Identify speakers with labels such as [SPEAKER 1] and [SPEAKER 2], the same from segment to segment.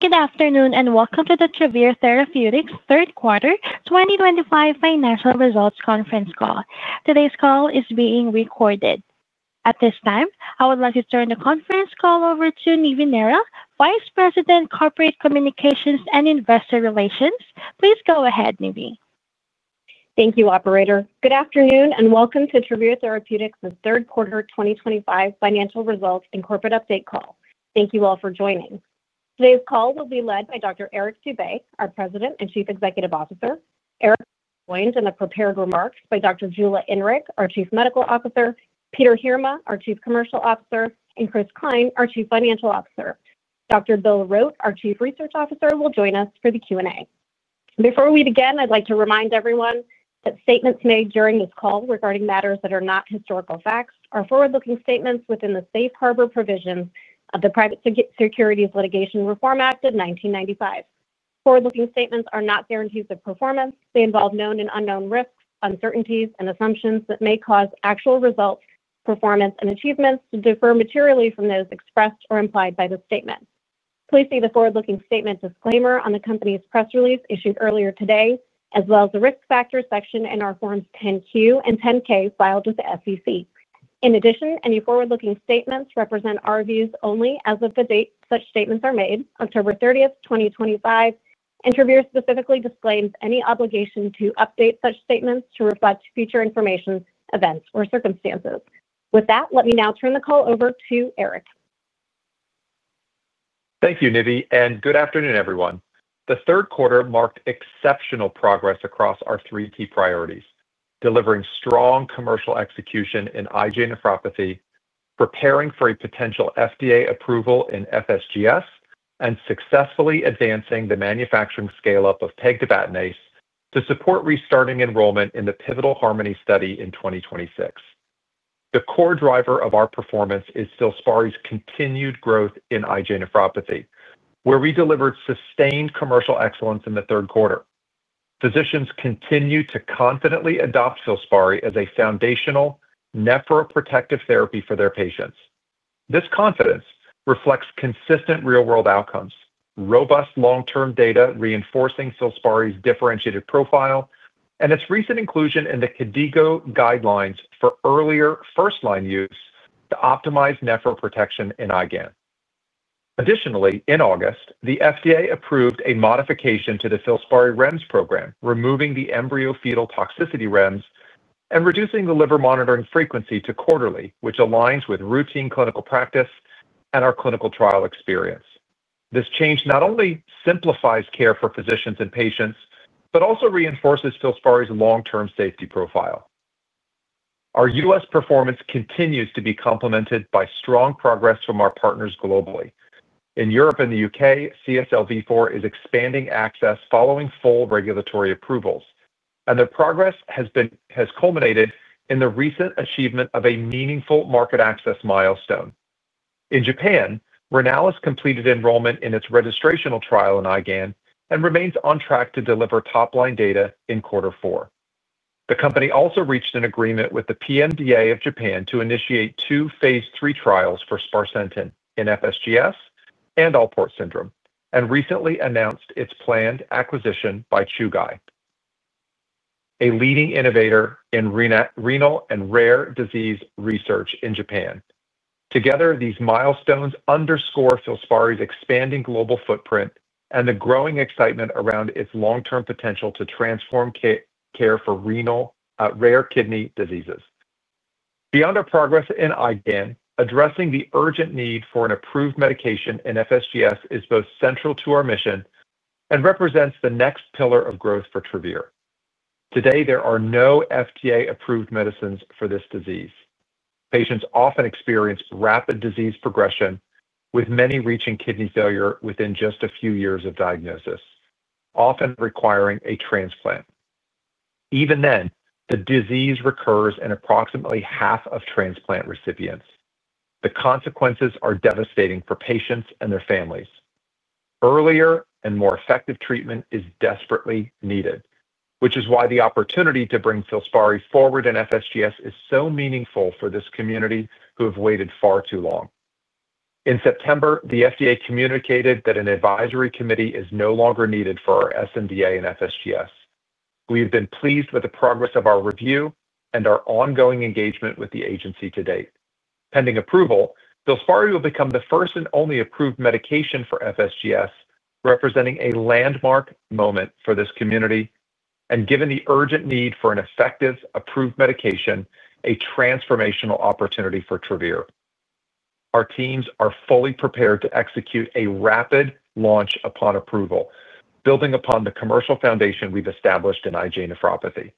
[SPEAKER 1] Good afternoon and welcome to the Travere Therapeutics third quarter 2025 financial results conference call. Today's call is being recorded. At this time, I would like to turn the conference call over to Nivi Nehra, Vice President, Corporate Communications and Investor Relations. Please go ahead, Nivi.
[SPEAKER 2] Thank you, Operator. Good afternoon and welcome to Travere Therapeutics' third quarter 2025 financial results and corporate update call. Thank you all for joining. Today's call will be led by Dr. Eric Dube, our President and Chief Executive Officer. Eric will be joined in the prepared remarks by Dr. Jula Inrig, our Chief Medical Officer, Peter Heerma, our Chief Commercial Officer, and Chris Cline, our Chief Financial Officer. Dr. Bill Rote, our Chief Research Officer, will join us for the Q&A. Before we begin, I'd like to remind everyone that statements made during this call regarding matters that are not historical facts are forward-looking statements within the Safe Harbor provisions of the Private Securities Litigation Reform Act of 1995. Forward-looking statements are not guarantees of performance. They involve known and unknown risks, uncertainties, and assumptions that may cause actual results, performance, and achievements to differ materially from those expressed or implied by the statement. Please see the forward-looking statement disclaimer on the company's press release issued earlier today, as well as the risk factor section in our Forms 10-Q and 10-K filed with the SEC. In addition, any forward-looking statements represent our views only as of the date such statements are made, October 30th, 2025. Travere specifically disclaims any obligation to update such statements to reflect future information, events, or circumstances. With that, let me now turn the call over to Eric.
[SPEAKER 3] Thank you, Nivi, and good afternoon, everyone. The third quarter marked exceptional progress across our three key priorities: delivering strong commercial execution in IgA nephropathy, preparing for a potential FDA approval in FSGS, and successfully advancing the manufacturing scale-up of pegtibatinase to support restarting enrollment in the pivotal HARMONY study in 2026. The core driver of our performance is FILSPARI's continued growth in IgA nephropathy, where we delivered sustained commercial excellence in the third quarter. Physicians continue to confidently adopt FILSPARI as a foundational nephroprotective therapy for their patients. This confidence reflects consistent real-world outcomes, robust long-term data reinforcing FILSPARI's differentiated profile, and its recent inclusion in the KDIGO guidelines for earlier first-line use to optimize nephroprotection in IgA. Additionally, in August, the FDA approved a modification to the FILSPARI REMS program, removing the embryo-fetal toxicity REMS and reducing the liver monitoring frequency to quarterly, which aligns with routine clinical practice and our clinical trial experience. This change not only simplifies care for physicians and patients but also reinforces FILSPARI's long-term safety profile. Our U.S. performance continues to be complemented by strong progress from our partners globally. In Europe and the U.K., CSL Vifor is expanding access following full regulatory approvals, and the progress has culminated in the recent achievement of a meaningful market access milestone. In Japan, Renalys completed enrollment in its registrational trial in IgA and remains on track to deliver topline data in quarter four. The company also reached an agreement with the PMDA of Japan to initiate two phase III trials for sparsentan in FSGS and Alport syndrome and recently announced its planned acquisition by Chugai, a leading innovator in renal and rare disease research in Japan. Together, these milestones underscore FILSPARI's expanding global footprint and the growing excitement around its long-term potential to transform care for rare kidney diseases. Beyond our progress in IgA, addressing the urgent need for an approved medication in FSGS is both central to our mission and represents the next pillar of growth for Travere. Today, there are no FDA-approved medicines for this disease. Patients often experience rapid disease progression, with many reaching kidney failure within just a few years of diagnosis, often requiring a transplant. Even then, the disease recurs in approximately half of transplant recipients. The consequences are devastating for patients and their families. Earlier and more effective treatment is desperately needed, which is why the opportunity to bring FILSPARI forward in FSGS is so meaningful for this community who have waited far too long. In September, the FDA communicated that an advisory committee is no longer needed for our sNDA in FSGS. We have been pleased with the progress of our review and our ongoing engagement with the agency to date. Pending approval, FILSPARI will become the first and only approved medication for FSGS, representing a landmark moment for this community and, given the urgent need for an effective approved medication, a transformational opportunity for Travere. Our teams are fully prepared to execute a rapid launch upon approval, building upon the commercial foundation we've established in IgA nephropathy.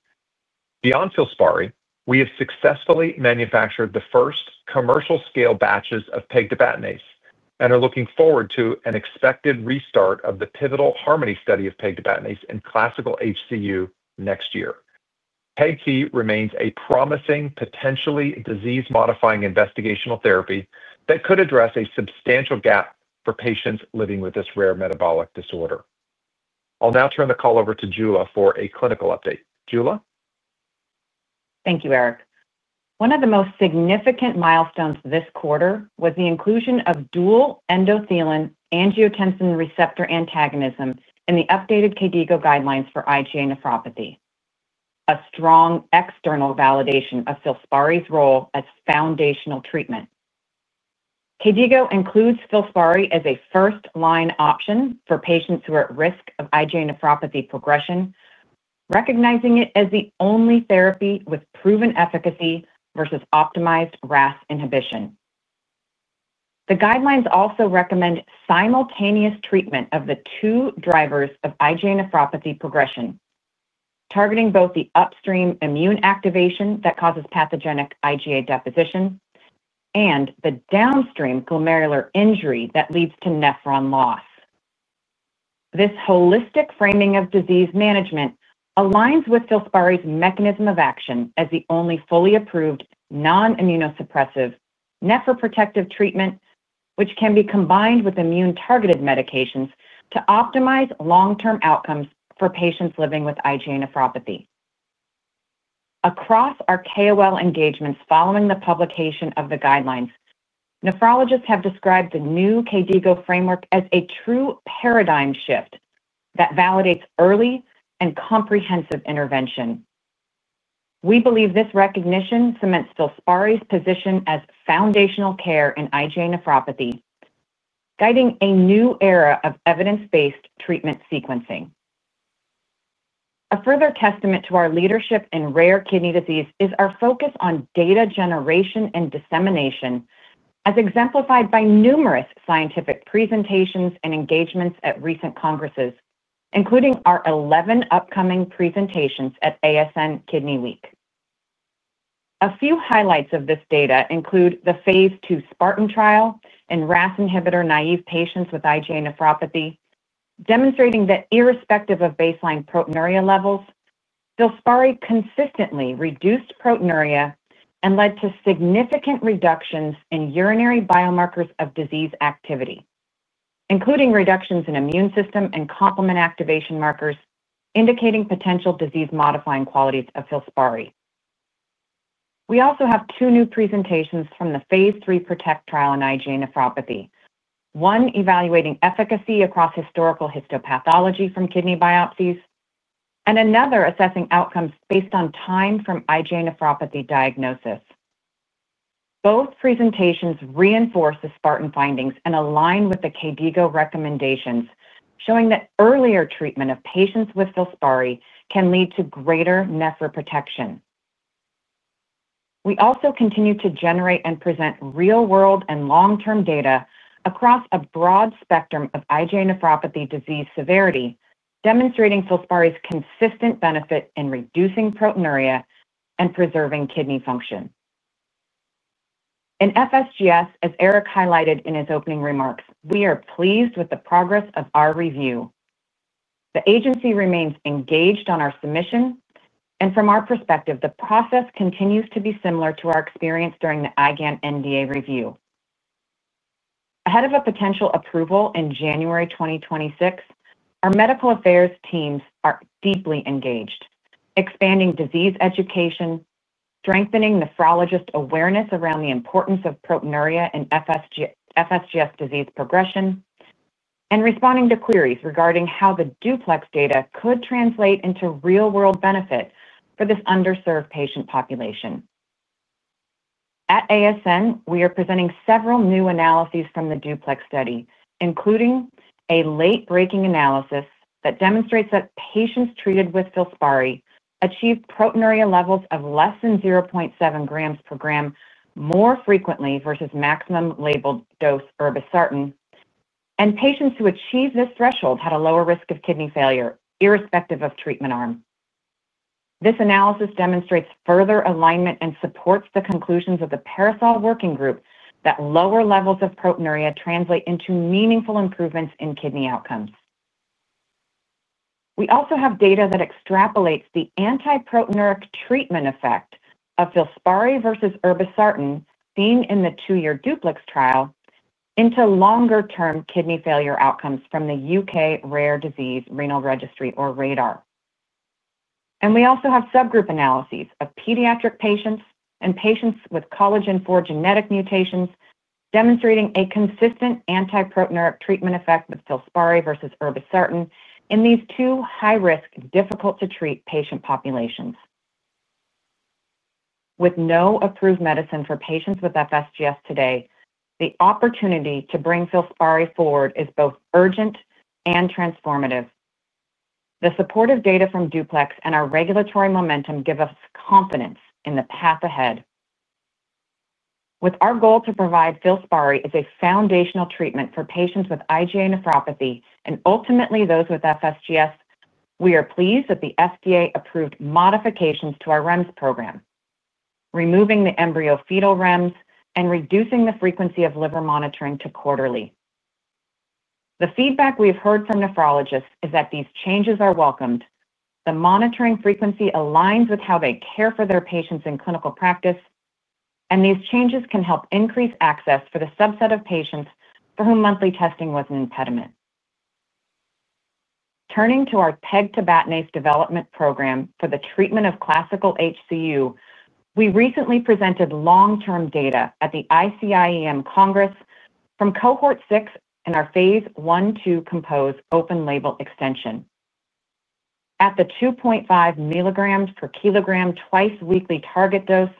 [SPEAKER 3] Beyond FILSPARI, we have successfully manufactured the first commercial-scale batches of pegtibatinase and are looking forward to an expected restart of the pivotal HARMONY study of pegtibatinase in classical HCU next year. Pegti remains a promising, potentially disease-modifying investigational therapy that could address a substantial gap for patients living with this rare metabolic disorder. I'll now turn the call over to Jula for a clinical update. Jula?
[SPEAKER 4] Thank you, Eric. One of the most significant milestones this quarter was the inclusion of dual endothelin angiotensin receptor antagonism in the updated KDIGO guidelines for IgA nephropathy, a strong external validation of FILSPARI's role as foundational treatment. KDIGO includes FILSPARI as a first-line option for patients who are at risk of IgA nephropathy progression, recognizing it as the only therapy with proven efficacy versus optimized RAS inhibition. The guidelines also recommend simultaneous treatment of the two drivers of IgA nephropathy progression, targeting both the upstream immune activation that causes pathogenic IgA deposition and the downstream glomerular injury that leads to nephron loss. This holistic framing of disease management aligns with FILSPARI's mechanism of action as the only fully approved non-immunosuppressive nephroprotective treatment, which can be combined with immune-targeted medications to optimize long-term outcomes for patients living with IgA nephropathy. Across our KOL engagements following the publication of the guidelines, nephrologists have described the new KDIGO framework as a true paradigm shift that validates early and comprehensive intervention. We believe this recognition cements FILSPARI's position as foundational care in IgA nephropathy, guiding a new era of evidence-based treatment sequencing. A further testament to our leadership in rare kidney disease is our focus on data generation and dissemination, as exemplified by numerous scientific presentations and engagements at recent congresses, including our 11 upcoming presentations at ASN Kidney Week. A few highlights of this data include the phase II SPARTAN trial in RAS inhibitor-naive patients with IgA nephropathy, demonstrating that irrespective of baseline proteinuria levels, FILSPARI consistently reduced proteinuria and led to significant reductions in urinary biomarkers of disease activity, including reductions in immune system and complement activation markers indicating potential disease-modifying qualities of FILSPARI. We also have two new presentations from the phase III PROTECT trial in IgA nephropathy: one evaluating efficacy across historical histopathology from kidney biopsies, and another assessing outcomes based on time from IgA nephropathy diagnosis. Both presentations reinforce the SPARTAN findings and align with the KDIGO recommendations, showing that earlier treatment of patients with FILSPARI can lead to greater nephroprotection. We also continue to generate and present real-world and long-term data across a broad spectrum of IgA nephropathy disease severity, demonstrating FILSPARI's consistent benefit in reducing proteinuria and preserving kidney function. In FSGS, as Eric highlighted in his opening remarks, we are pleased with the progress of our review. The agency remains engaged on our submission, and from our perspective, the process continues to be similar to our experience during the IgAN NDA review. Ahead of a potential approval in January 2026, our Medical Affairs teams are deeply engaged, expanding disease education, strengthening nephrologist awareness around the importance of proteinuria in FSGS disease progression, and responding to queries regarding how the DUPLEX data could translate into real-world benefit for this underserved patient population. At ASN, we are presenting several new analyses from the DUPLEX study, including a late-breaking analysis that demonstrates that patients treated with FILSPARI achieved proteinuria levels of less than 0.7 g/g more frequently versus maximum labeled dose irbesartan, and patients who achieved this threshold had a lower risk of kidney failure irrespective of treatment arm. This analysis demonstrates further alignment and supports the conclusions of the PARASOL working group that lower levels of proteinuria translate into meaningful improvements in kidney outcomes. We also have data that extrapolates the antiproteinuric treatment effect of FILSPARI versus irbesartan seen in the 2-year DUPLEX trial into longer-term kidney failure outcomes from the U.K. Rare Disease Renal Registry, or RaDaR. We also have subgroup analyses of pediatric patients and patients with collagen IV genetic mutations, demonstrating a consistent antiproteinuric treatment effect with FILSPARI versus irbesartan in these two high-risk, difficult-to-treat patient populations. With no approved medicine for patients with FSGS today, the opportunity to bring FILSPARI forward is both urgent and transformative. The supportive data from DUPLEX and our regulatory momentum give us confidence in the path ahead. With our goal to provide FILSPARI as a foundational treatment for patients with IgA nephropathy and ultimately those with FSGS, we are pleased that the FDA-approved modifications to our REMS program, removing the embryo-fetal REMS and reducing the frequency of liver monitoring to quarterly. The feedback we've heard from nephrologists is that these changes are welcomed, the monitoring frequency aligns with how they care for their patients in clinical practice, and these changes can help increase access for the subset of patients for whom monthly testing was an impediment. Turning to our pegtibatinase development program for the treatment of HCU, we recently presented long-term data at the ICIEM Congress from cohort 6 in our phase I/II COMPOSE open-label extension. At the 2.5 mg/kg twice-weekly target dose,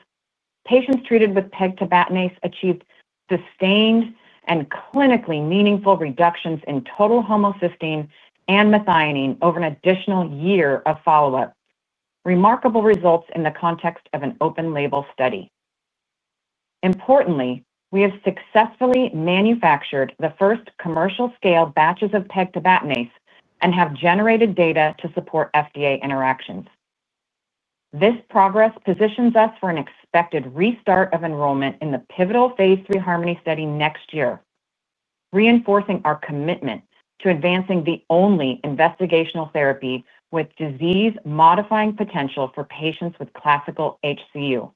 [SPEAKER 4] patients treated with pegtibatinase achieved sustained and clinically meaningful reductions in total homocysteine and methionine over an additional year of follow-up, remarkable results in the context of an open-label study. Importantly, we have successfully manufactured the first commercial-scale batches of pegtibatinase and have generated data to support FDA interactions. This progress positions us for an expected restart of enrollment in the pivotal phase III HARMONY study next year, reinforcing our commitment to advancing the only investigational therapy with disease-modifying potential for patients with classical HCU.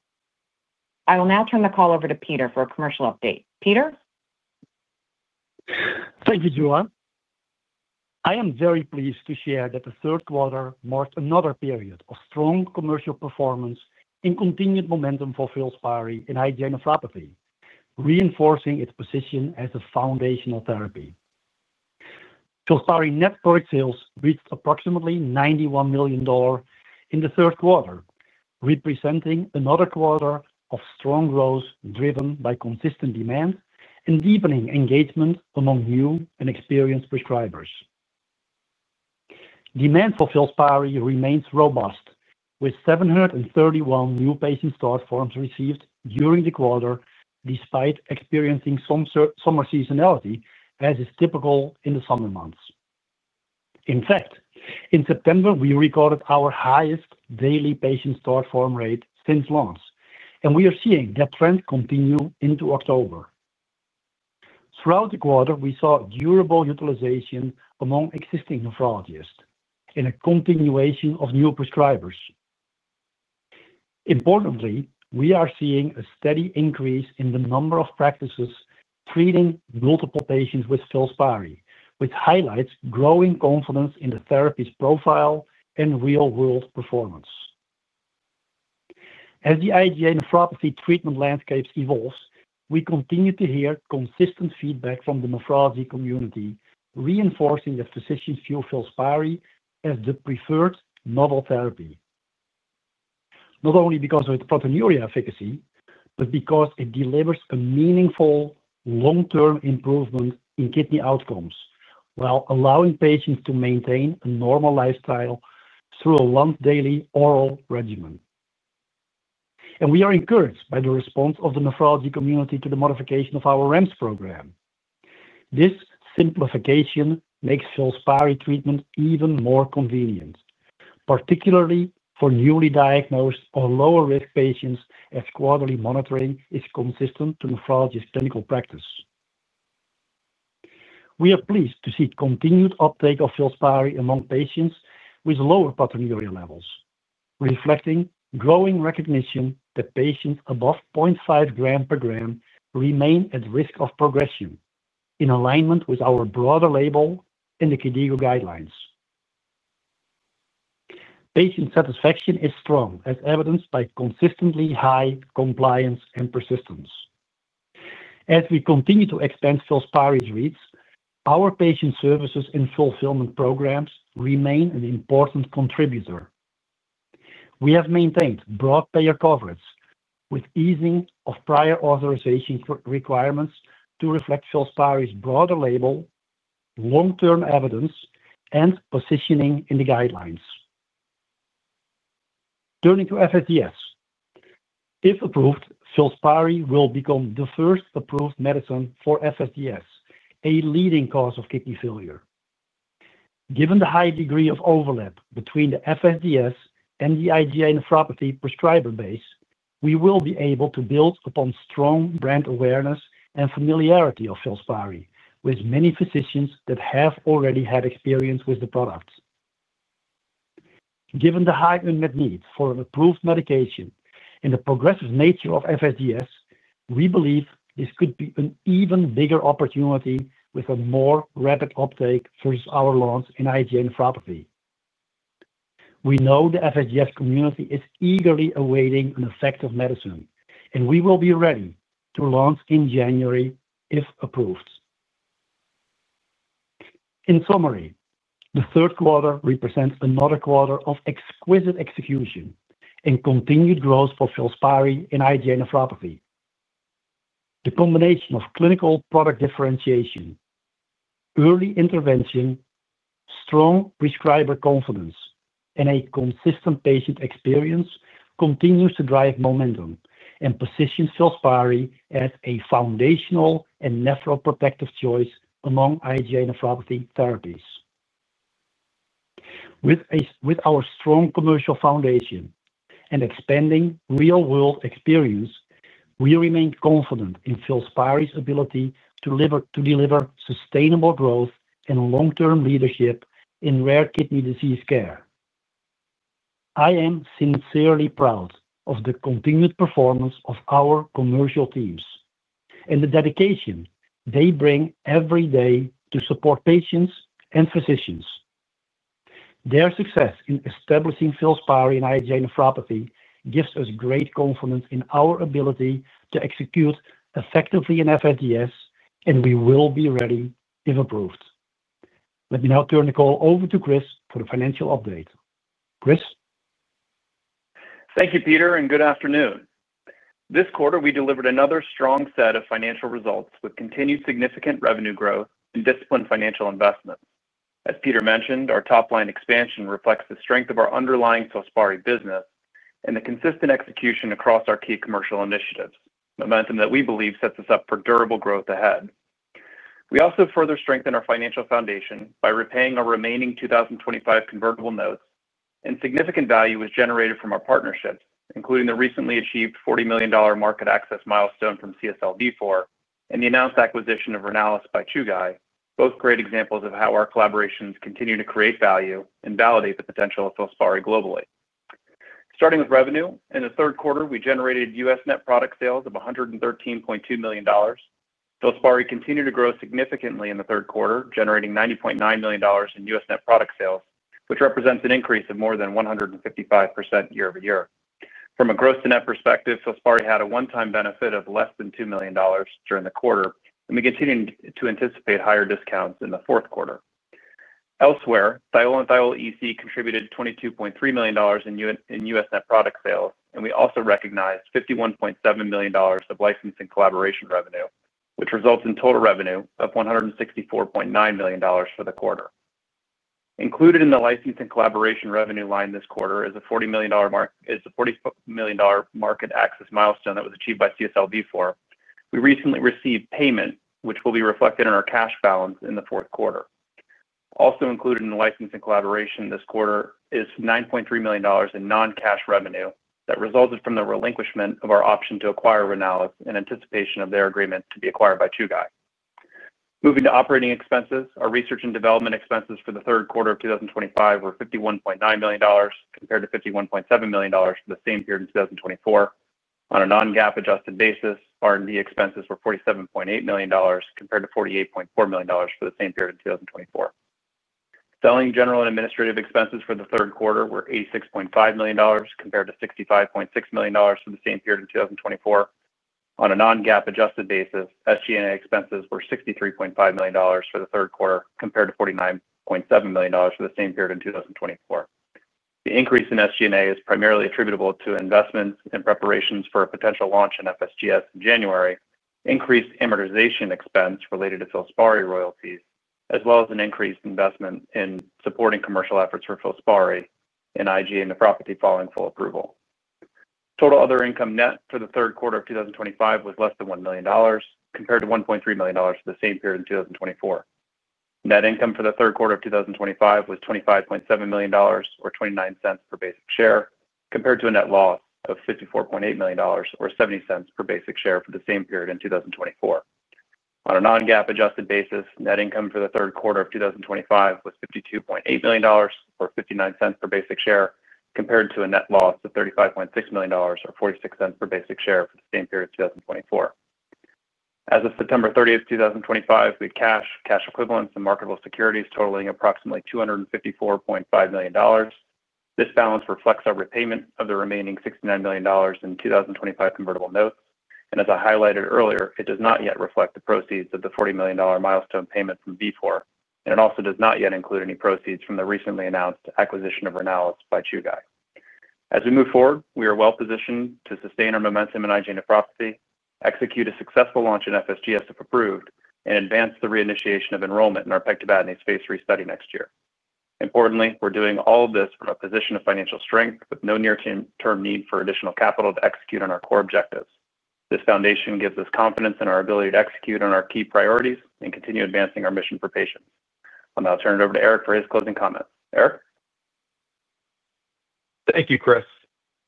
[SPEAKER 4] I will now turn the call over to Peter for a commercial update. Peter.
[SPEAKER 5] Thank you, Jula. I am very pleased to share that the third quarter marked another period of strong commercial performance and continued momentum for FILSPARI in IgA nephropathy, reinforcing its position as a foundational therapy. FILSPARI net sales reached approximately $91 million in the third quarter, representing another quarter of strong growth driven by consistent demand and deepening engagement among new and experienced prescribers. Demand for FILSPARI remains robust, with 731 new patient start forms received during the quarter, despite experiencing summer seasonality, as is typical in the summer months. In fact, in September, we recorded our highest daily patient start form rate since launch, and we are seeing that trend continue into October. Throughout the quarter, we saw durable utilization among existing nephrologists and a continuation of new prescribers. Importantly, we are seeing a steady increase in the number of practices treating multiple patients with FILSPARI, which highlights growing confidence in the therapy's profile and real-world performance. As the IgA nephropathy treatment landscapes evolve, we continue to hear consistent feedback from the nephrology community, reinforcing that physicians view FILSPARI as the preferred novel therapy. Not only because of its proteinuria efficacy, but because it delivers a meaningful long-term improvement in kidney outcomes while allowing patients to maintain a normal lifestyle through a once-daily oral regimen. We are encouraged by the response of the nephrology community to the modification of our REMS program. This simplification makes FILSPARI treatment even more convenient, particularly for newly diagnosed or lower-risk patients as quarterly monitoring is consistent to nephrology's clinical practice. We are pleased to see continued uptake of FILSPARI among patients with lower proteinuria levels, reflecting growing recognition that patients above 0.5 g/g remain at risk of progression, in alignment with our broader label and the KDIGO guidelines. Patient satisfaction is strong, as evidenced by consistently high compliance and persistence. As we continue to expand FILSPARI's reach, our patient services and fulfillment programs remain an important contributor. We have maintained broad payer coverage with easing of prior authorization requirements to reflect FILSPARI's broader label, long-term evidence, and positioning in the guidelines. Turning to FSGS. If approved, FILSPARI will become the first approved medicine for FSGS, a leading cause of kidney failure. Given the high degree of overlap between the FSGS and the IgA nephropathy prescriber base, we will be able to build upon strong brand awareness and familiarity of FILSPARI with many physicians that have already had experience with the product. Given the high unmet needs for an approved medication and the progressive nature of FSGS, we believe this could be an even bigger opportunity with a more rapid uptake versus our launch in IgA nephropathy. We know the FSGS community is eagerly awaiting an effective medicine, and we will be ready to launch in January if approved. In summary, the third quarter represents another quarter of exquisite execution and continued growth for FILSPARI in IgA nephropathy. The combination of clinical product differentiation, early intervention, strong prescriber confidence, and a consistent patient experience continues to drive momentum and position FILSPARI as a foundational and nephroprotective choice among IgA nephropathy therapies. With our strong commercial foundation and expanding real-world experience, we remain confident in FILSPARI's ability to deliver sustainable growth and long-term leadership in rare kidney disease care. I am sincerely proud of the continued performance of our commercial teams and the dedication they bring every day to support patients and physicians. Their success in establishing FILSPARI in IgA nephropathy gives us great confidence in our ability to execute effectively in FSGS, and we will be ready if approved. Let me now turn the call over to Chris for the financial update. Chris.
[SPEAKER 6] Thank you, Peter, and good afternoon. This quarter, we delivered another strong set of financial results with continued significant revenue growth and disciplined financial investments. As Peter mentioned, our top line expansion reflects the strength of our underlying FILSPARI business and the consistent execution across our key commercial initiatives, momentum that we believe sets us up for durable growth ahead. We also further strengthened our financial foundation by repaying our remaining 2025 convertible notes, and significant value was generated from our partnerships, including the recently achieved $40 million market access milestone from CSL Vifor and the announced acquisition of Renalys by Chugai, both great examples of how our collaborations continue to create value and validate the potential of FILSPARI globally. Starting with revenue, in the third quarter, we generated U.S. net product sales of $113.2 million. FILSPARI continued to grow significantly in the third quarter, generating $90.9 million in U.S. net product sales, which represents an increase of more than 155% year-over-year. From a gross-to-net perspective, FILSPARI had a one-time benefit of less than $2 million during the quarter, and we continue to anticipate higher discounts in the fourth quarter. Elsewhere, THIOLA and THIOLA EC contributed $22.3 million in U.S. net product sales, and we also recognized $51.7 million of licensing collaboration revenue, which results in total revenue of $164.9 million for the quarter. Included in the licensing collaboration revenue line this quarter is a $40 million market access milestone that was achieved by CSL Vifor. We recently received payment, which will be reflected in our cash balance in the fourth quarter. Also included in the licensing collaboration this quarter is $9.3 million in non-cash revenue that resulted from the relinquishment of our option to acquire Renalys in anticipation of their agreement to be acquired by Chugai. Moving to operating expenses, our research and development expenses for the third quarter of 2025 were $51.9 million compared to $51.7 million for the same period in 2024. On a non-GAAP-adjusted basis, R&D expenses were $47.8 million compared to $48.4 million for the same period in 2024. Selling, general and administrative expenses for the third quarter were $86.5 million compared to $65.6 million for the same period in 2024. On a non-GAAP-adjusted basis, SG&A expenses were $63.5 million for the third quarter compared to $49.7 million for the same period in 2024. The increase in SG&A is primarily attributable to investments and preparations for a potential launch in FSGS in January, increased amortization expense related to FILSPARI royalties, as well as an increased investment in supporting commercial efforts for FILSPARI in IgA nephropathy following full approval. Total other income net for the third quarter of 2025 was less than $1 million compared to $1.3 million for the same period in 2024. Net income for the third quarter of 2025 was $25.7 million, or $0.29 per basic share, compared to a net loss of $54.8 million, or $0.70 per basic share for the same period in 2024. On a non-GAAP-adjusted basis, net income for the third quarter of 2025 was $52.8 million, or $0.59 per basic share, compared to a net loss of $35.6 million, or $0.46 per basic share for the same period in 2024. As of September 30th, 2025, we had cash, cash equivalents, and marketable securities totaling approximately $254.5 million. This balance reflects our repayment of the remaining $69 million in 2025 convertible notes, and as I highlighted earlier, it does not yet reflect the proceeds of the $40 million milestone payment from CSL Vifor, and it also does not yet include any proceeds from the recently announced acquisition of Renalys by Chugai. As we move forward, we are well-positioned to sustain our momentum in IgA nephropathy, execute a successful launch in FSGS if approved, and advance the reinitiation of enrollment in our pegtibatinase phase III study next year. Importantly, we're doing all of this from a position of financial strength with no near-term need for additional capital to execute on our core objectives. This foundation gives us confidence in our ability to execute on our key priorities and continue advancing our mission for patients. I'll now turn it over to Eric for his closing comments. Eric.
[SPEAKER 3] Thank you, Chris.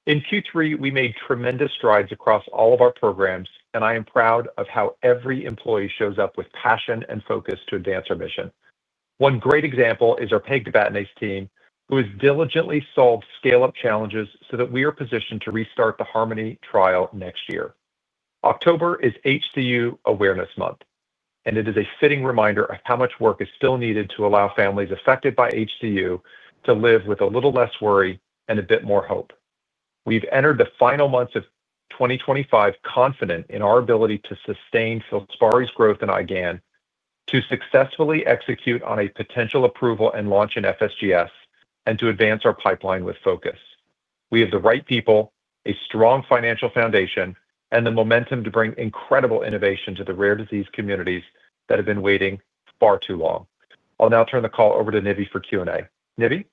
[SPEAKER 3] In Q3, we made tremendous strides across all of our programs, and I am proud of how every employee shows up with passion and focus to advance our mission. One great example is our pegtibatinase team, who has diligently solved scale-up challenges so that we are positioned to restart the HARMONY trial next year. October is HCU Awareness Month, and it is a fitting reminder of how much work is still needed to allow families affected by HCU to live with a little less worry and a bit more hope. We've entered the final months of 2025 confident in our ability to sustain FILSPARI's growth in IgA nephropathy, to successfully execute on a potential approval and launch in FSGS, and to advance our pipeline with focus. We have the right people, a strong financial foundation, and the momentum to bring incredible innovation to the rare disease communities that have been waiting far too long. I'll now turn the call over to Nivi for Q&A. Nivi?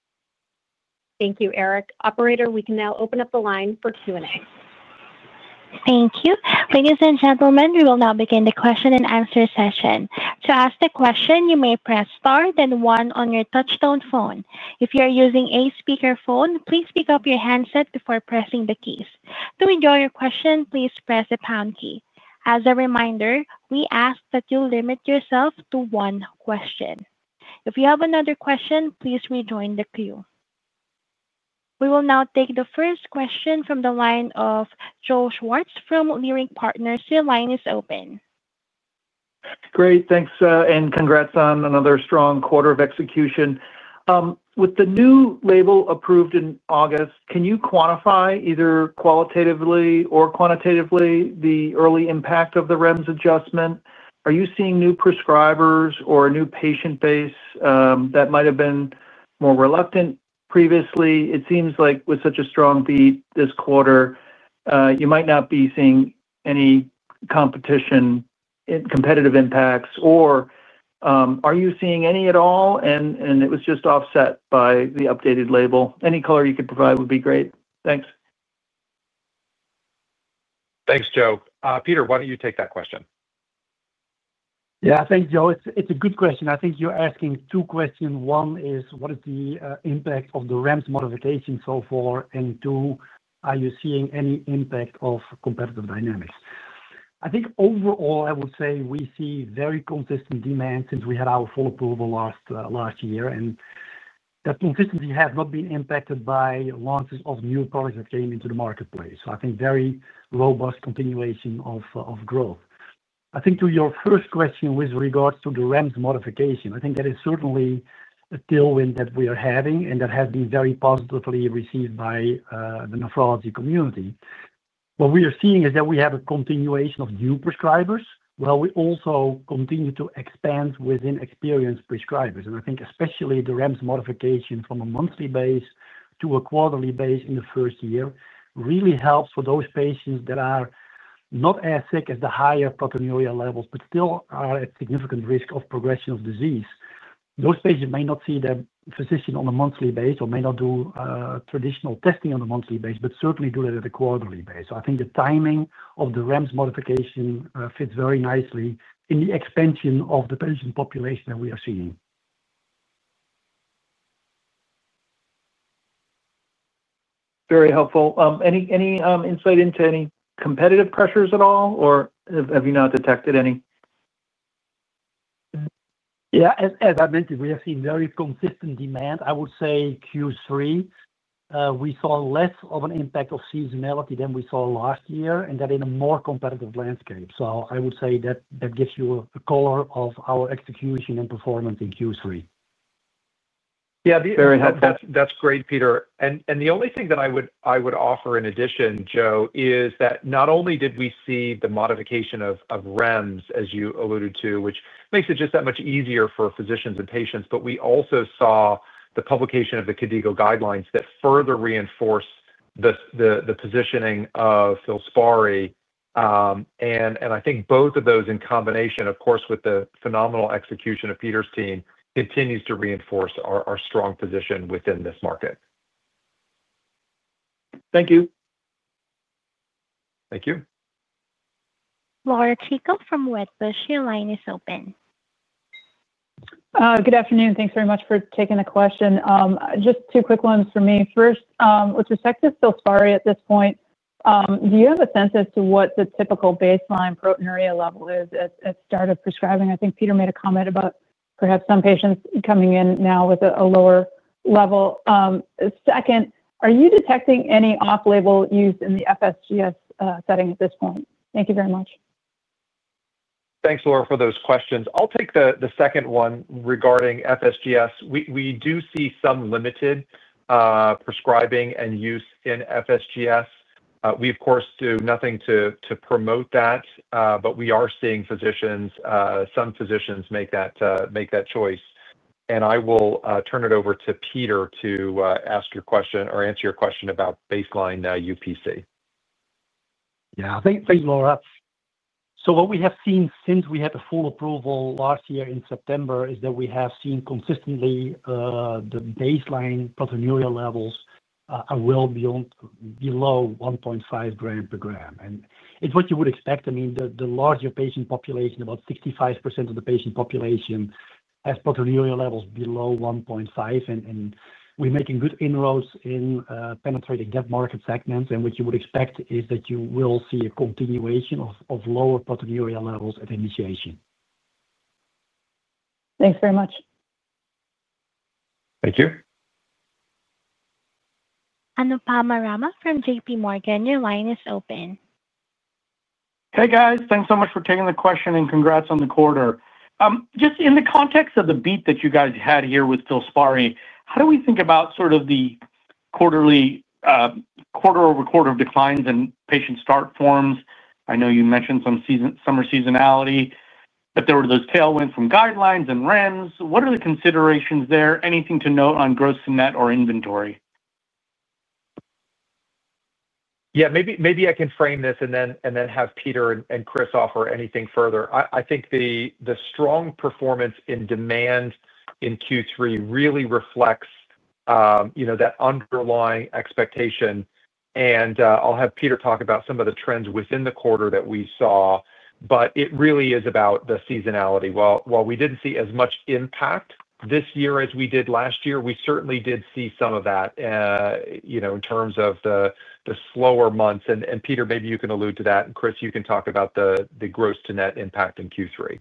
[SPEAKER 2] Thank you, Eric. Operator, we can now open up the line for Q&A.
[SPEAKER 1] Thank you. Ladies and gentlemen, we will now begin the question-and-answer session. To ask a question, you may press star then one on your touch-tone phone. If you are using a speakerphone, please pick up your handset before pressing the keys. To enter your question, please press the pound key. As a reminder, we ask that you limit yourself to one question. If you have another question, please rejoin the queue. We will now take the first question from the line of Joe Schwartz from Leerink Partners. The line is open.
[SPEAKER 7] Great. Thanks, and congrats on another strong quarter of execution. With the new label approved in August, can you quantify either qualitatively or quantitatively the early impact of the REMS adjustment? Are you seeing new prescribers or a new patient base that might have been more reluctant previously? It seems like with such a strong beat this quarter, you might not be seeing any competition. Competitive impacts, or are you seeing any at all? It was just offset by the updated label. Any color you could provide would be great. Thanks.
[SPEAKER 3] Thanks, Joe. Peter, why don't you take that question?
[SPEAKER 5] Yeah, thanks, Joe. It's a good question. I think you're asking two questions. One is, what is the impact of the REMS modification so far, and two, are you seeing any impact of competitive dynamics? I think overall, I would say we see very consistent demand since we had our full approval last year, and that consistency has not been impacted by launches of new products that came into the marketplace. I think very robust continuation of growth. To your first question with regards to the REMS modification, I think that is certainly a tailwind that we are having and that has been very positively received by the nephrology community. What we are seeing is that we have a continuation of new prescribers while we also continue to expand within experienced prescribers. I think especially the REMS modification from a monthly base to a quarterly base in the first year really helps for those patients that are not as sick as the higher proteinuria levels, but still are at significant risk of progression of disease. Those patients may not see their physician on a monthly base or may not do traditional testing on a monthly base, but certainly do that at a quarterly base. I think the timing of the REMS modification fits very nicely in the expansion of the patient population that we are seeing.
[SPEAKER 7] Very helpful. Any insight into any competitive pressures at all, or have you not detected any?
[SPEAKER 5] Yeah, as I mentioned, we have seen very consistent demand. I would say Q3, we saw less of an impact of seasonality than we saw last year, and that in a more competitive landscape. I would say that gives you a color of our execution and performance in Q3.
[SPEAKER 3] Yeah, that's great, Peter. The only thing that I would offer in addition, Joe, is that not only did we see the modification of the FILSPARI REMS program, as you alluded to, which makes it just that much easier for physicians and patients, we also saw the publication of the KDIGO guidelines that further reinforced the positioning of FILSPARI. I think both of those in combination, of course, with the phenomenal execution of Peter's team, continue to reinforce our strong position within this market.
[SPEAKER 7] Thank you.
[SPEAKER 3] Thank you.
[SPEAKER 1] Laura Chico from Wedbush, your line is open.
[SPEAKER 8] Good afternoon. Thanks very much for taking the question. Just two quick ones for me. First, with respect to FILSPARI at this point, do you have a sense as to what the typical baseline proteinuria level is at start of prescribing? I think Peter made a comment about perhaps some patients coming in now with a lower level. Second, are you detecting any off-label use in the FSGS setting at this point? Thank you very much.
[SPEAKER 3] Thanks, Laura, for those questions. I'll take the second one regarding FSGS. We do see some limited prescribing and use in FSGS. We, of course, do nothing to promote that, but we are seeing some physicians make that choice. I will turn it over to Peter to answer your question about baseline UPC.
[SPEAKER 5] Yeah, thanks, Laura. What we have seen since we had the full approval last year in September is that we have seen consistently the baseline proteinuria levels are well below 1.5 g/g. It's what you would expect. The larger patient population, about 65% of the patient population, has proteinuria levels below 1.5 g/g, and we're making good inroads in penetrating that market segment. What you would expect is that you will see a continuation of lower proteinuria levels at initiation.
[SPEAKER 8] Thanks very much.
[SPEAKER 3] Thank you.
[SPEAKER 1] Anupam Raman from JPMorgan, your line is open.
[SPEAKER 9] Hey, guys. Thanks so much for taking the question and congrats on the quarter. Just in the context of the beat that you guys had here with FILSPARI, how do we think about the quarter-over-quarter declines in patient start forms? I know you mentioned some summer seasonality, but there were those tailwinds from guidelines and REMS. What are the considerations there? Anything to note on gross and net or inventory?
[SPEAKER 3] Yeah, maybe I can frame this and then have Peter and Chris offer anything further. I think the strong performance in demand in Q3 really reflects that underlying expectation. I'll have Peter talk about some of the trends within the quarter that we saw. It really is about the seasonality. While we didn't see as much impact this year as we did last year, we certainly did see some of that in terms of the slower months. Peter, maybe you can allude to that, and Chris, you can talk about the gross-to-net impact in Q3.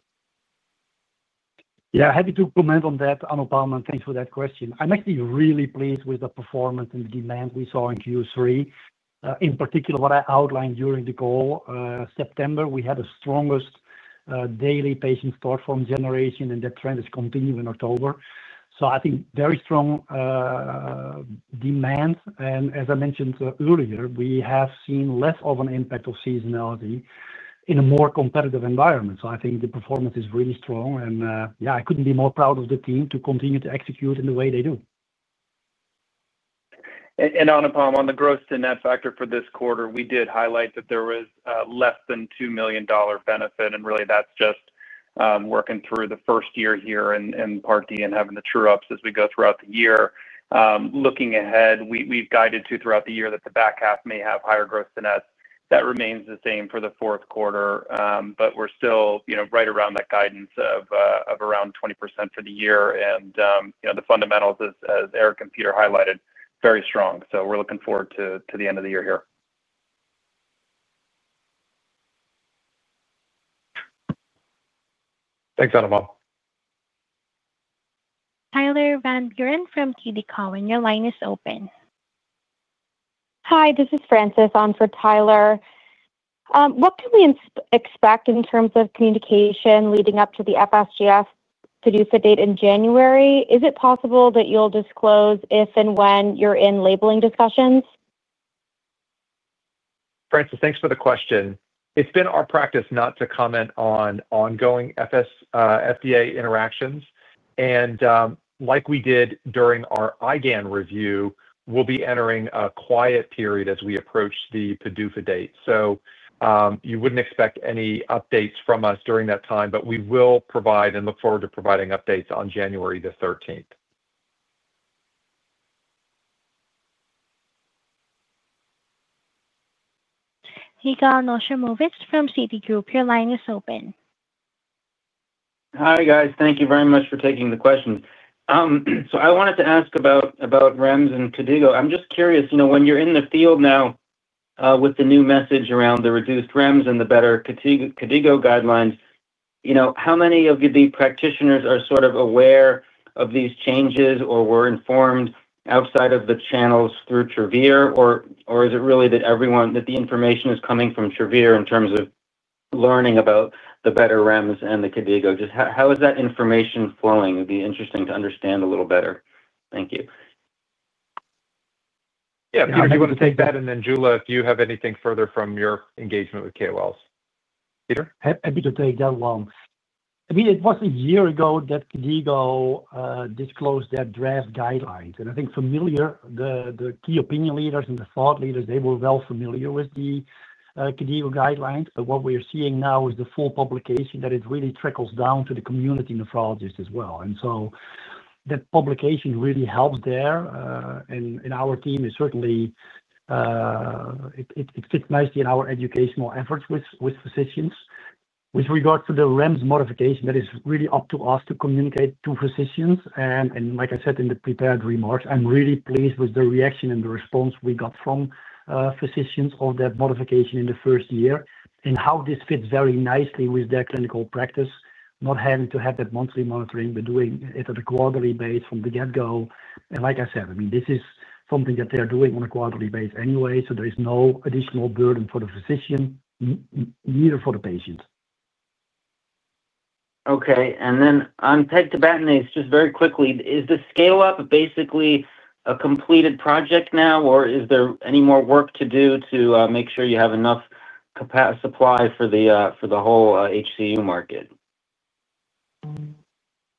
[SPEAKER 5] Yeah, happy to comment on that, Anupam. Thanks for that question. I'm actually really pleased with the performance and the demand we saw in Q3. In particular, what I outlined during the call, September, we had the strongest daily patient start form generation, and that trend is continuing in October. I think very strong demand. As I mentioned earlier, we have seen less of an impact of seasonality in a more competitive environment. I think the performance is really strong. Yeah, I couldn't be more proud of the team to continue to execute in the way they do.
[SPEAKER 6] Anupam, on the gross-to-net factor for this quarter, we did highlight that there was less than $2 million benefit. That's just working through the first year here in Part D and having the true-ups as we go throughout the year. Looking ahead, we've guided throughout the year that the back half may have higher gross-to-net. That remains the same for the fourth quarter, but we're still right around that guidance of around 20% for the year. The fundamentals, as Eric and Peter highlighted, are very strong. We're looking forward to the end of the year here. Thanks, Anupam.
[SPEAKER 1] Tyler Van Buren from TD Cowen, your line is open. Hi, this is Francis on for Tyler. What can we expect in terms of communication leading up to the FSGS PDUFA date in January? Is it possible that you'll disclose if and when you're in labeling discussions?
[SPEAKER 3] Francis, thanks for the question. It's been our practice not to comment on ongoing FDA interactions. Like we did during our IgA review, we'll be entering a quiet period as we approach the PDUFA date. You wouldn't expect any updates from us during that time, but we will provide and look forward to providing updates on January 13th.
[SPEAKER 1] Yigal Nochomovitz from Citigroup, your line is open.
[SPEAKER 10] Hi, guys. Thank you very much for taking the question. I wanted to ask about REMS and KDIGO. I'm just curious, when you're in the field now, with the new message around the reduced REMS and the better KDIGO guidelines, how many of the practitioners are sort of aware of these changes or were informed outside of the channels through Travere, or is it really that the information is coming from Travere in terms of learning about the better REMS and the KDIGO? Just how is that information flowing? It'd be interesting to understand a little better. Thank you.
[SPEAKER 3] Yeah, Peter, do you want to take that? Jula, if you have anything further from your engagement with KOLs.
[SPEAKER 5] Happy to take that one. I mean, it was a year ago that KDIGO disclosed their draft guidelines. I think the key opinion leaders and the thought leaders, they were well familiar with the KDIGO guidelines. What we are seeing now is the full publication that really trickles down to the community nephrologists as well. That publication really helps there, and our team is certainly, it fits nicely in our educational efforts with physicians. With regard to the REMS modification, that is really up to us to communicate to physicians. Like I said in the prepared remarks, I'm really pleased with the reaction and the response we got from physicians of that modification in the first year and how this fits very nicely with their clinical practice, not having to have that monthly monitoring, but doing it at a quarterly base from the get-go. Like I said, I mean, this is something that they are doing on a quarterly base anyway, so there is no additional burden for the physician, neither for the patient.
[SPEAKER 10] Okay. On pegtibatinase, just very quickly, is the scale-up basically a completed project now, or is there any more work to do to make sure you have enough supply for the whole HCU market?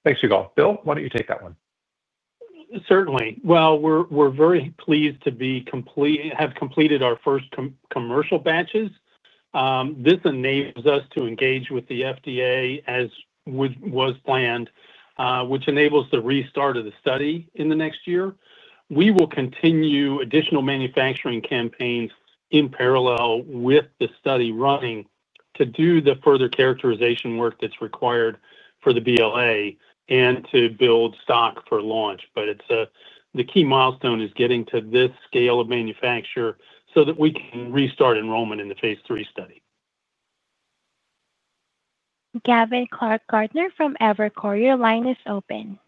[SPEAKER 3] Thanks, Yigal. Bill, why don't you take that one?
[SPEAKER 11] Certainly. We're very pleased to have completed our first commercial batches. This enables us to engage with the FDA as was planned, which enables the restart of the study in the next year. We will continue additional manufacturing campaigns in parallel with the study running to do the further characterization work that's required for the BLA and to build stock for launch. The key milestone is getting to this scale of manufacture so that we can restart enrollment in the phase III study.
[SPEAKER 1] Gavin Clark-Gartner from Evercore, your line is open.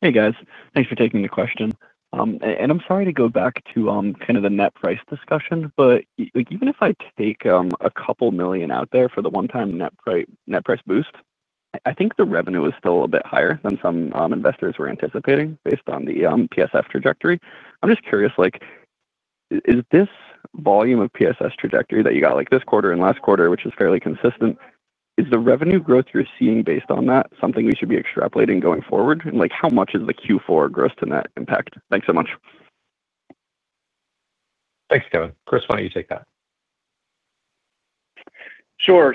[SPEAKER 12] Hey, guys. Thanks for taking the question. I'm sorry to go back to kind of the net price discussion, but even if I take a couple million out there for the one-time net price boost, I think the revenue is still a bit higher than some investors were anticipating based on the PSF trajectory. I'm just curious, is this volume of PSF trajectory that you got this quarter and last quarter, which is fairly consistent, is the revenue growth you're seeing based on that something we should be extrapolating going forward? How much is the Q4 gross-to-net impact? Thanks so much.
[SPEAKER 3] Thanks, Kevin. Chris, why don't you take that?
[SPEAKER 6] Sure.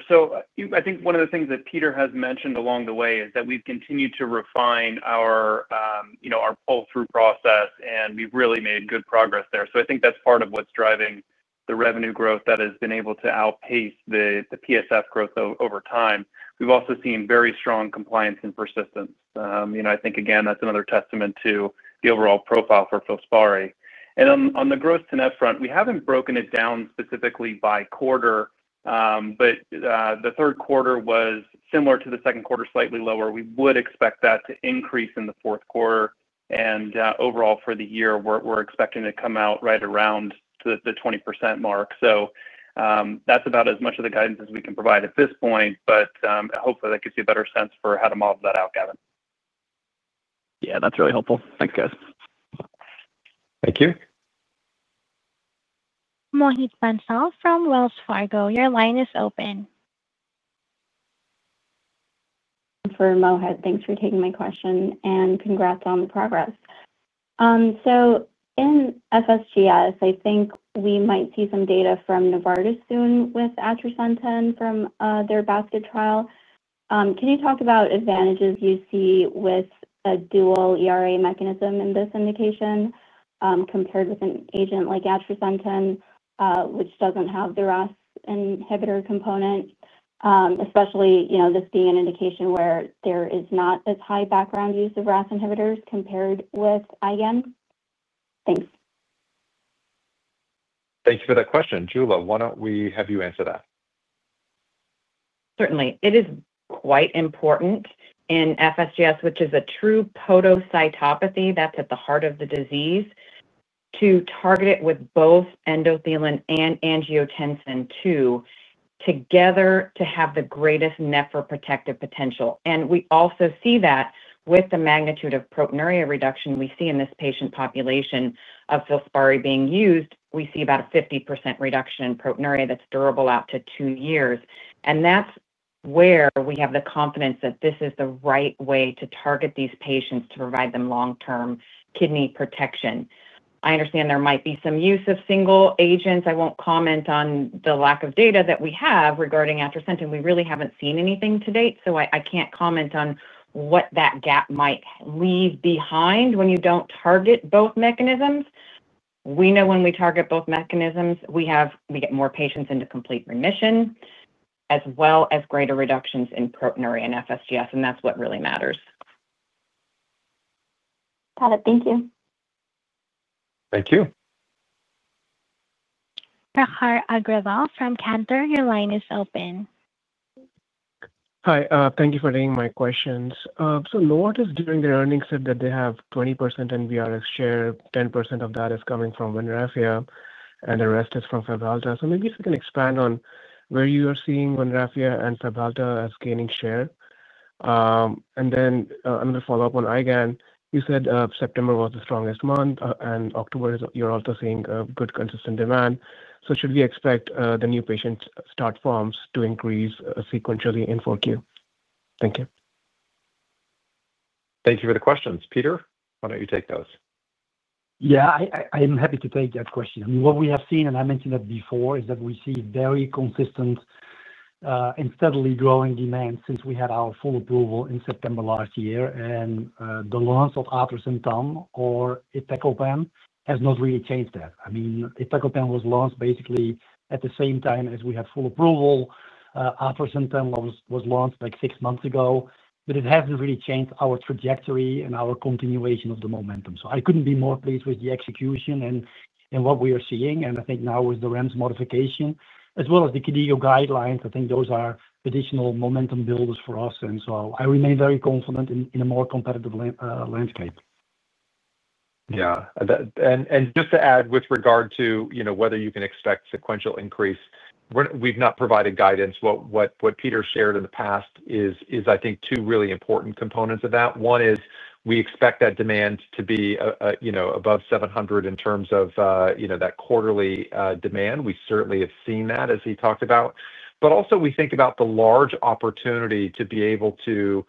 [SPEAKER 6] I think one of the things that Peter has mentioned along the way is that we've continued to refine our pull-through process, and we've really made good progress there. I think that's part of what's driving the revenue growth that has been able to outpace the PSF growth over time. We've also seen very strong compliance and persistence. I think, again, that's another testament to the overall profile for FILSPARI. On the gross-to-net front, we haven't broken it down specifically by quarter, but the third quarter was similar to the second quarter, slightly lower. We would expect that to increase in the fourth quarter. Overall, for the year, we're expecting to come out right around the 20% mark. That's about as much of the guidance as we can provide at this point, but hopefully, that gives you a better sense for how to model that out, Gavin.
[SPEAKER 12] Yeah, that's really helpful. Thanks, guys.
[SPEAKER 3] Thank you.
[SPEAKER 1] Mohit Bansal from Wells Fargo, your line is open. Thanks for taking my question and congrats on the progress. In FSGS, I think we might see some data from Novartis soon with atrasentan from their basket trial. Can you talk about advantages you see with a dual ERA mechanism in this indication, compared with an agent like atrasentan, which doesn't have the RAS inhibitor component, especially this being an indication where there is not as high background use of RAS inhibitors compared with IgAN? Thanks.
[SPEAKER 3] Thanks for that question. Jula, why don't we have you answer that?
[SPEAKER 4] Certainly. It is quite important in FSGS, which is a true podocytopathy that's at the heart of the disease, to target it with both endothelin and angiotensin II together to have the greatest nephroprotective potential. We also see that with the magnitude of proteinuria reduction we see in this patient population of FILSPARI being used, we see about a 50% reduction in proteinuria that's durable out to 2 years. That's where we have the confidence that this is the right way to target these patients to provide them long-term kidney protection. I understand there might be some use of single agents. I won't comment on the lack of data that we have regarding atrasentan. We really haven't seen anything to date, so I can't comment on what that gap might leave behind when you don't target both mechanisms. We know when we target both mechanisms, we get more patients into complete remission as well as greater reductions in proteinuria in FSGS, and that's what really matters. Got it. Thank you.
[SPEAKER 3] Thank you.
[SPEAKER 1] Prakhar Agrawal from Cantor, your line is open.
[SPEAKER 13] Hi. Thank you for taking my questions. Novartis during their earnings said that they have 20% NBRx share, 10% of that is coming from VANRAFIA, and the rest is from Fabhalta. If you can expand on where you are seeing VANRAFIA and Fabhalta as gaining share. Another follow-up on IgAN, you said September was the strongest month, and October is, you're also seeing good consistent demand. Should we expect the new patient start forms to increase sequentially in Q4? Thank you.
[SPEAKER 3] Thank you for the questions. Peter, why don't you take those?
[SPEAKER 5] Yeah, I'm happy to take that question. I mean, what we have seen, and I mentioned that before, is that we see very consistent and steadily growing demand since we had our full approval in September last year. The launch of atrasentan or iptacopan has not really changed that. I mean, iptacopan was launched basically at the same time as we had full approval. Atrasentan was launched like 6 months ago, but it hasn't really changed our trajectory and our continuation of the momentum. I couldn't be more pleased with the execution and what we are seeing. I think now with the REMS modification, as well as the KDIGO guidelines, I think those are additional momentum builders for us. I remain very confident in a more competitive landscape.
[SPEAKER 3] Yeah. Just to add with regard to whether you can expect sequential increase, we've not provided guidance. What Peter shared in the past is, I think, two really important components of that. One is we expect that demand to be above 700 in terms of that quarterly demand. We certainly have seen that, as he talked about. Also, we think about the large opportunity to be able to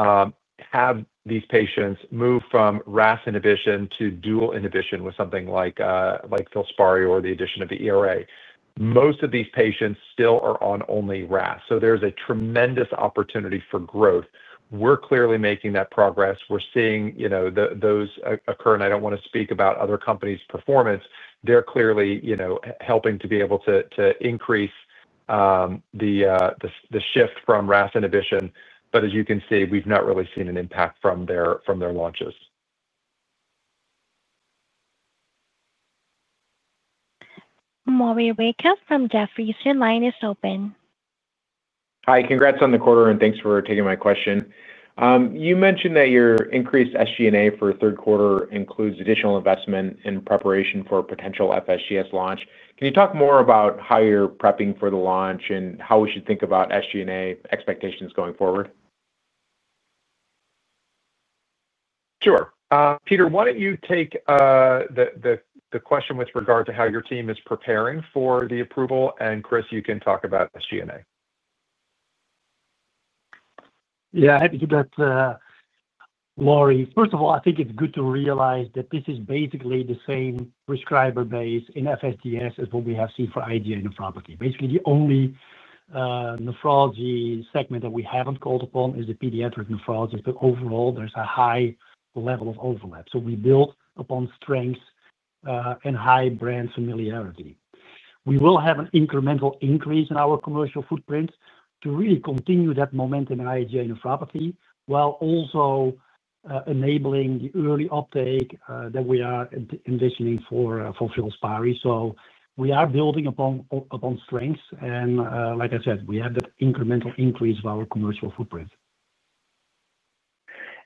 [SPEAKER 3] have these patients move from RAS inhibition to dual inhibition with something like FILSPARI or the addition of the ERA. Most of these patients still are on only-RAS, so there's a tremendous opportunity for growth. We're clearly making that progress. We're seeing those occur. I don't want to speak about other companies' performance. They're clearly helping to be able to increase the shift from RAS inhibition. As you can see, we've not really seen an impact from their launches.
[SPEAKER 1] Maury Raycroft from Jefferies, your line is open.
[SPEAKER 14] Hi, congrats on the quarter, and thanks for taking my question. You mentioned that your increased SG&A for the third quarter includes additional investment in preparation for a potential FSGS launch. Can you talk more about how you're prepping for the launch and how we should think about SG&A expectations going forward?
[SPEAKER 3] Sure. Peter, why don't you take the question with regard to how your team is preparing for the approval? Chris, you can talk about SG&A.
[SPEAKER 5] Yeah, happy to do that. Maury, first of all, I think it's good to realize that this is basically the same prescriber base in FSGS as what we have seen for IgA nephropathy. Basically, the only nephrology segment that we haven't called upon is the pediatric nephrology, but overall, there's a high level of overlap. We build upon strengths and high brand familiarity. We will have an incremental increase in our commercial footprint to really continue that momentum in IgA nephropathy while also enabling the early uptake that we are envisioning for FILSPARI. We are building upon strengths. Like I said, we have that incremental increase of our commercial footprint.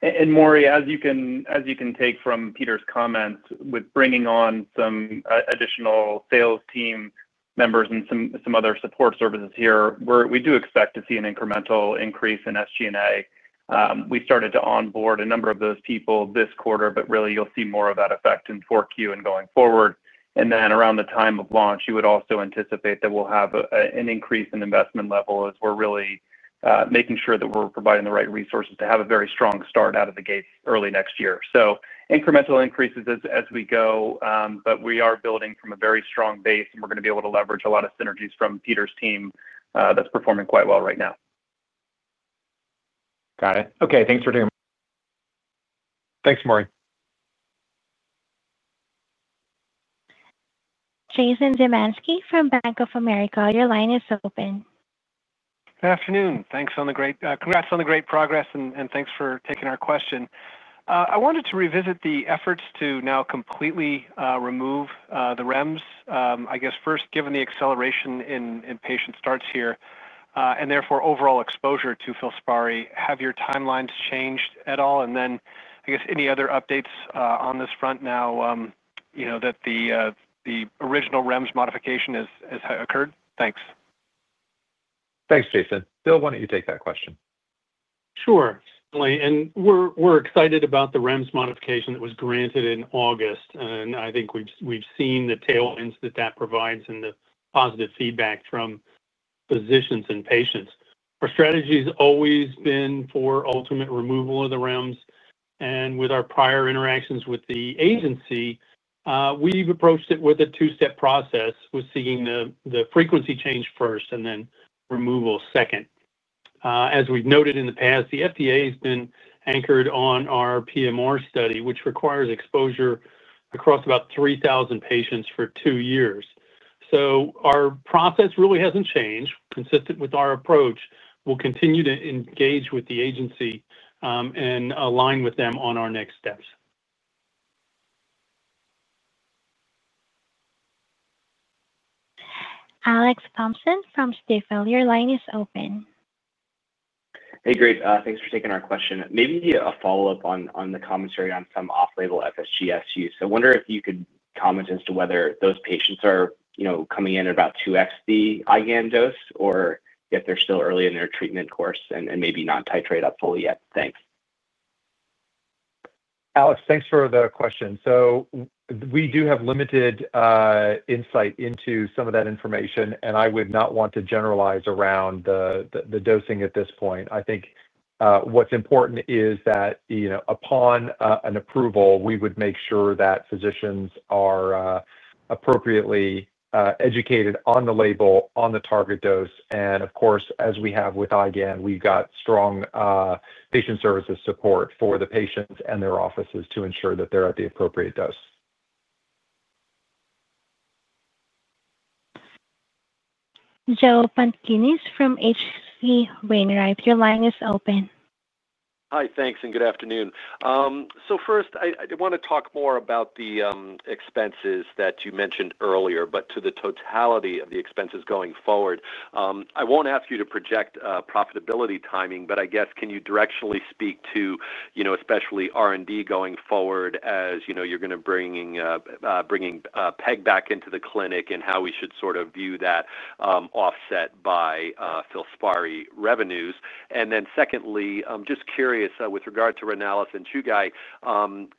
[SPEAKER 6] As you can take from Peter's comments with bringing on some additional sales team members and some other support services here, we do expect to see an incremental increase in SG&A. We started to onboard a number of those people this quarter, but really, you'll see more of that effect in Q4 and going forward. Around the time of launch, you would also anticipate that we'll have an increase in investment level as we're really making sure that we're providing the right resources to have a very strong start out of the gates early next year. Incremental increases as we go, but we are building from a very strong base, and we're going to be able to leverage a lot of synergies from Peter's team that's performing quite well right now.
[SPEAKER 14] Got it. Okay. Thanks for taking my—
[SPEAKER 3] Thanks, Maury.
[SPEAKER 1] Jason Zemansky from Bank of America, your line is open.
[SPEAKER 15] Good afternoon. Congrats on the great progress, and thanks for taking our question. I wanted to revisit the efforts to now completely remove the REMS. First, given the acceleration in patient starts here and therefore overall exposure to FILSPARI, have your timelines changed at all? Any other updates on this front now that the original REMS modification has occurred? Thanks.
[SPEAKER 3] Thanks, Jason. Bill, why don't you take that question?
[SPEAKER 11] Sure. We're excited about the REMS modification that was granted in August. I think we've seen the tailwinds that provides and the positive feedback from physicians and patients. Our strategy has always been for ultimate removal of the REMS. With our prior interactions with the agency, we've approached it with a two-step process, seeking the frequency change first and then removal second. As we've noted in the past, the FDA has been anchored on our PMR study, which requires exposure across about 3,000 patients for 2 years. Our process really hasn't changed. Consistent with our approach, we'll continue to engage with the agency and align with them on our next steps.
[SPEAKER 1] Alex Thompson from Stifel, line is open.
[SPEAKER 16] Hey, great. Thanks for taking our question. Maybe a follow-up on the commentary on some off-label FSGS use. I wonder if you could comment as to whether those patients are coming in at about 2x the IgAN dose or if they're still early in their treatment course and maybe not titrate up fully yet. Thanks.
[SPEAKER 3] Alex, thanks for the question. We do have limited insight into some of that information, and I would not want to generalize around the dosing at this point. I think what's important is that upon an approval, we would make sure that physicians are appropriately educated on the label, on the target dose. Of course, as we have with IgAN, we've got strong patient services support for the patients and their offices to ensure that they're at the appropriate dose.
[SPEAKER 1] Joe Pantginis from H.C. Wainwright, your line is open.
[SPEAKER 17] Hi, thanks, and good afternoon. First, I want to talk more about the expenses that you mentioned earlier, but to the totality of the expenses going forward. I won't ask you to project profitability timing, but I guess, can you directionally speak to, especially R&D going forward as you're going to bring peg back into the clinic and how we should sort of view that, offset by FILSPARI revenues? Secondly, just curious with regard to Renalys and Chugai,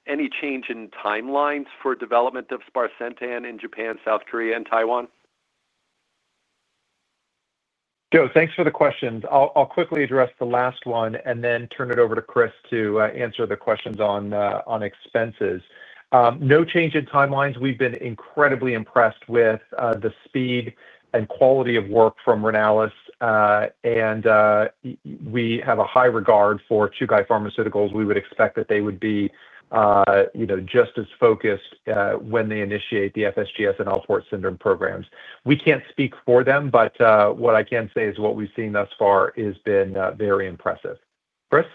[SPEAKER 17] any change in timelines for development of sparsentan in Japan, South Korea, and Taiwan?
[SPEAKER 3] Joe, thanks for the questions. I'll quickly address the last one and then turn it over to Chris to answer the questions on expenses. No change in timelines. We've been incredibly impressed with the speed and quality of work from Renalys. We have a high regard for Chugai Pharmaceutical. We would expect that they would be just as focused when they initiate the FSGS and Alport syndrome programs. We can't speak for them, but what I can say is what we've seen thus far has been very impressive. Chris?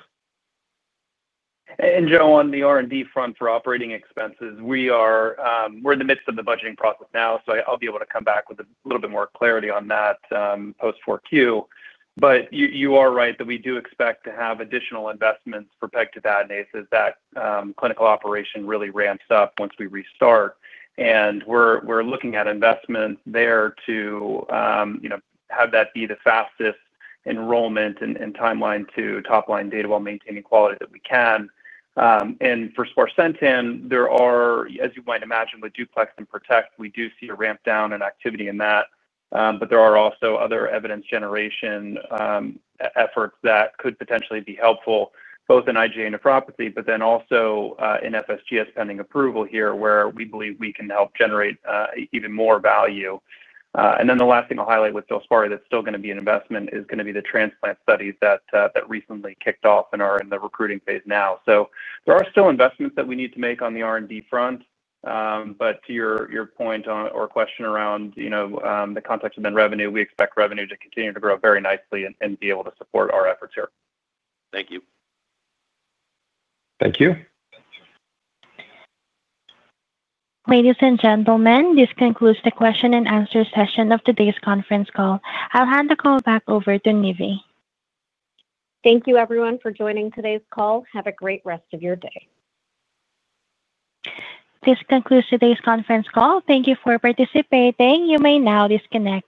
[SPEAKER 6] And Joe, on the R&D front for operating expenses, we're in the midst of the budgeting process now, so I'll be able to come back with a little bit more clarity on that post-Q4. You are right that we do expect to have additional investments for pegtibatinase as that clinical operation really ramps up once we restart. We're looking at investment there to have that be the fastest enrollment and timeline to top-line data while maintaining quality that we can. For sparsentan, there are, as you might imagine, with DUPLEX and PROTECT, we do see a ramp down in activity in that. There are also other evidence generation efforts that could potentially be helpful, both in IgA nephropathy, but then also in FSGS pending approval here where we believe we can help generate even more value. The last thing I'll highlight with FILSPARI that's still going to be an investment is going to be the transplant studies that recently kicked off and are in the recruiting phase now. There are still investments that we need to make on the R&D front. To your point or question around the context of end revenue, we expect revenue to continue to grow very nicely and be able to support our efforts here.
[SPEAKER 17] Thank you.
[SPEAKER 3] Thank you.
[SPEAKER 1] Ladies and gentlemen, this concludes the question-and-answer session of today's conference call. I'll hand the call back over to Nivi.
[SPEAKER 2] Thank you, everyone, for joining today's call. Have a great rest of your day.
[SPEAKER 1] This concludes today's conference call. Thank you for participating. You may now disconnect.